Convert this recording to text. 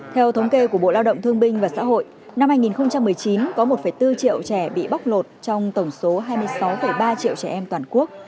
theo thống kê của bộ lao động thương binh và xã hội năm hai nghìn một mươi chín có một bốn triệu trẻ bị bóc lột trong tổng số hai mươi sáu ba triệu trẻ em toàn quốc